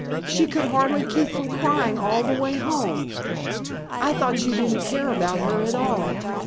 She could hardly keep from crying all the way home. I thought you didn't care about her at all.